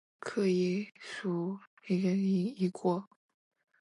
可以話係鬆一口氣